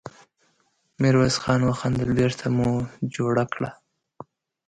ميرويس خان وخندل: بېرته مو جوړه کړه!